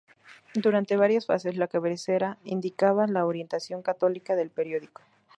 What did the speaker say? Durante varias fases la cabecera indicaba la orientación católica del periódico.